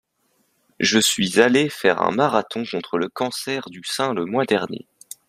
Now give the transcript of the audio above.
Je suis allé faire un marathon contre le cancer du sein le mois dernier.